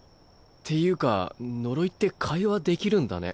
っていうか呪いって会話できるんだね。